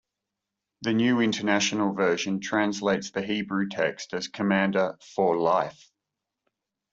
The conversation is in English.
The New International Version translates the Hebrew text as commander "for life".